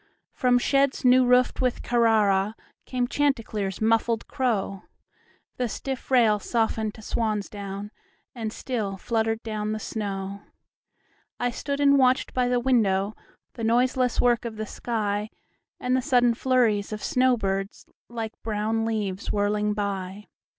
From sheds new roofed with CarraraCame Chanticleer's muffled crow, The stiff rails softened to swan's down, And still fluttered down the snow.I stood and watched by the windowThe noiseless work of the sky, And the sudden flurries of snow birds, Like brown leaves whirling by.